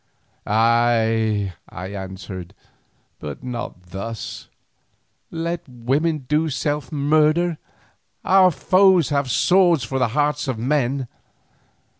"Ay," I answered, "but not thus. Let women do self murder, our foes have swords for the hearts of men."